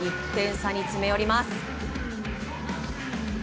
１点差に詰め寄ります。